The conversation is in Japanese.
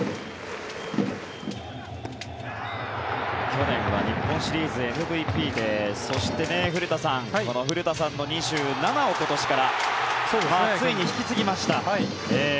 去年は日本シリーズＭＶＰでそして、古田さん古田さんの２７を今年からついに引き継ぎました。